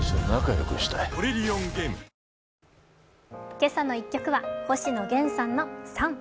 「けさの１曲」は星野源さんの「ＳＵＮ」。